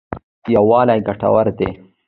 یوالی ګټور دی.